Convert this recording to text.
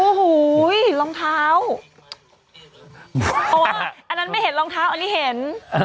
โอ้ถูยลองเท้าโอ้อันนั้นไม่เห็นลองเท้าอันนี้เห็น